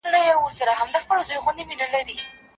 هغه کس چا ته پناه وړې وه؟